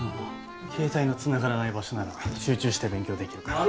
携帯のつながらない場所なら集中して勉強できるから。